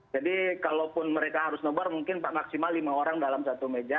jadi kalaupun mereka harus nobar mungkin maksimal lima orang dalam satu meja